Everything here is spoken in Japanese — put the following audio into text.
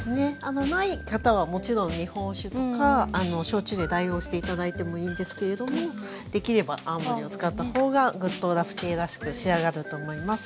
ない方はもちろん日本酒とか焼酎で代用して頂いてもいいんですけれどもできれば泡盛を使ったほうがぐっとラフテーらしく仕上がると思います。